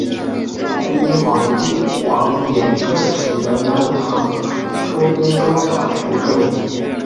大殷皇帝王延政请求南唐出兵攻打福州。